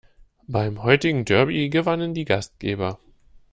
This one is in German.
Beim heutigen Derby gewannen die Gastgeber.